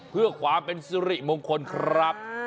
เพื่อความเป็นสุริมงคลครับ